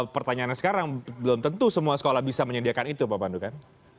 pertanyaannya sekarang belum tentu semua sekolah bisa menyediakan itu pak pandu kan